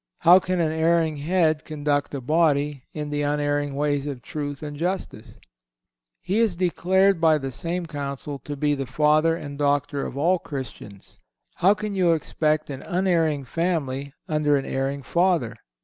How can an erring head conduct a body in the unerring ways of truth and justice? He is declared by the same Council to be the Father and Doctor of all Christians. How can you expect an unerring family under an erring Father?